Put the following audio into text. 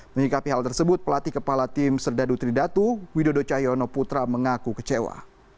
menyikapi hal tersebut pelatih kepala tim serdadu tridatu widodo cahyono putra mengaku kecewa